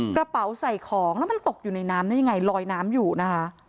กระเป๋าใส่ของแล้วมันตกอยู่ในน้ำได้ยังไงลอยน้ำอยู่นะคะ